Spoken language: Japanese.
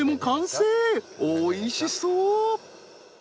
おいしそう。